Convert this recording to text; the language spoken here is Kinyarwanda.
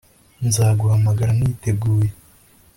Nzaguhamagara niteguye